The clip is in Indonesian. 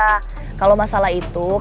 kalo masalah itu katanya lo mau ikut gue ya